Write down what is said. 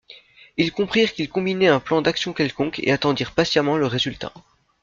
Ils comprirent qu'il combinait un plan d'action quelconque, et attendirent patiemment le résultat.